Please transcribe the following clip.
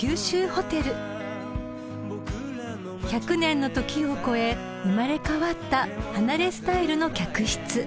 ［１００年の時を超え生まれ変わった離れスタイルの客室］